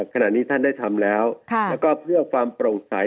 ขณะนี้ท่านได้ทำแล้วแล้วก็เพื่อความโปร่งใส